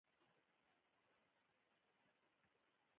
راکټ د تخنیکي پرمختګ سمبول دی